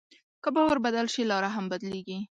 که باور بدل شي، لاره هم بدلېږي.